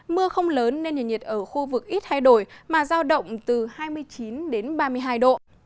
mưa không lớn nên nền nhiệt ở khu vực ít thay đổi mà giao động từ hai mươi chín đến ba mươi hai độ